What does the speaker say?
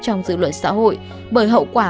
trong dự luận xã hội bởi hậu quả